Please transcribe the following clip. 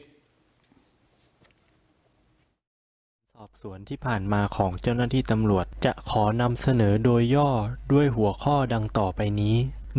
สอบสวนที่ผ่านมาของเจ้าหน้าที่ตำรวจจะขอนำเสนอโดยย่อด้วยหัวข้อดังต่อไปนี้